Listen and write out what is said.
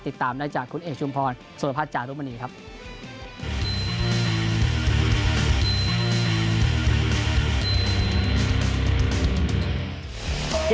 ติดตามได้จากคุณเอเชุมพลโสรภาคจากบริการินิสวรรษาครับ